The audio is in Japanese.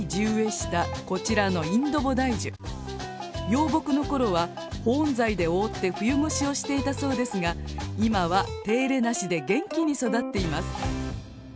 幼木の頃は保温材で覆って冬越しをしていたそうですが今は手入れなしで元気に育っています。